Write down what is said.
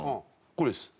これです。